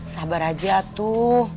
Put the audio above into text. sabar aja tuh